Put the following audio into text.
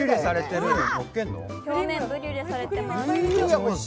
表面ブリュレされています。